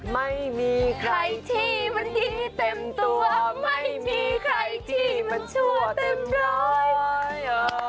ไม่มีใครที่มันดีเต็มตัวไม่มีใครที่มันชั่วเต็มร้อย